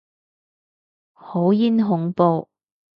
好撚恐怖